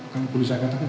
kalau boleh saya katakan